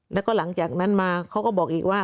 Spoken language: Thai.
แล้วก็หลังจากนั้นมาเขาก็บอกอีกว่า